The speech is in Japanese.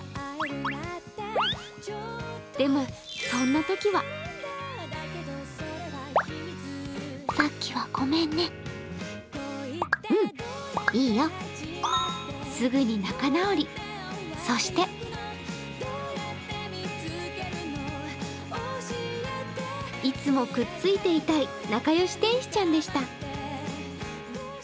でも、そんなときはそしていつもくっついていたい仲良し天使ちゃんでした。